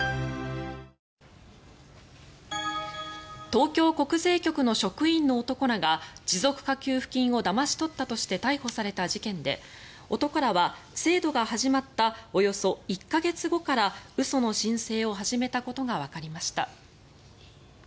東京国税局の職員の男らが持続化給付金をだまし取ったとして逮捕された事件で男らは、制度が始まったおよそ１か月後から嘘の申請を始めたことがわかりました。